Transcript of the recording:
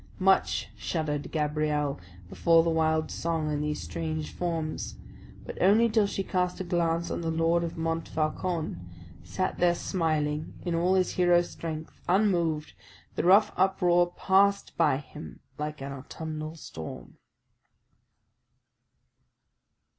Much shuddered Gabrielle before the wild song and these strange forms, but only till she cast a glance on the Lord of Montfaucon, sat there smiling in all his hero strength, unmoved, the rough uproar passed by him like an autumnal storm.